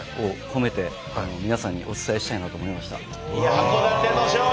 函館の勝利！